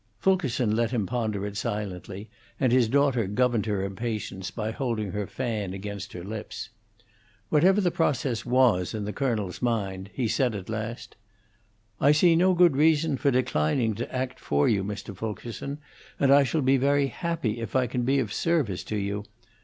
Fulkerson let him ponder it silently, and his daughter governed her impatience by holding her fan against her lips. Whatever the process was in the colonel's mind, he said at last: "I see no good reason for declining to act for you, Mr. Fulkerson, and I shall be very happy if I can be of service to you.